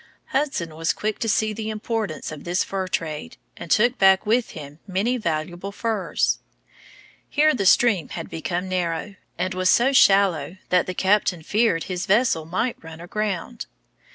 Hudson was quick to see the importance of this fur trade, and took back with him many valuable furs. Here the stream had become narrow, and was so shallow that the captain feared his vessel might run aground.